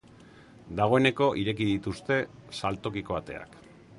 Dagoeneko ireki dituzte saltokiko ateak.